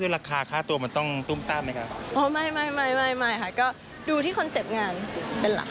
ราคาค่าตัวมันต้องตุ้มต้ามไหมคะอ๋อไม่ไม่ไม่ค่ะก็ดูที่คอนเซ็ปต์งานเป็นหลัก